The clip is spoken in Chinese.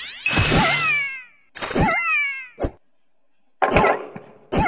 杜埃钟楼是法国北部大区城市杜埃的一座历史建筑。